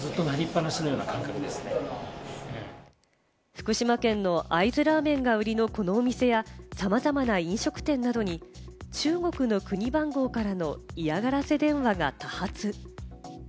福島県の会津ラーメンが売りのこのお店や、さまざまな飲食店などに中国の国番号からの嫌がらせ電話が多発。